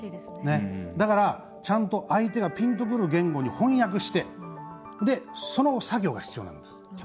だから、ちゃんと相手がピンとくる言語に翻訳してその作業が必要なんです。